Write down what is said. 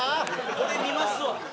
これ見ますわ。